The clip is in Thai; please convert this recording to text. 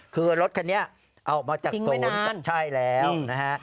คือรถคันนี้ออกมาจากศูนย์ใช่แล้วนะฮะ